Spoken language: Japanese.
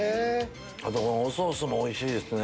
あとこのおソースもおいしいですね。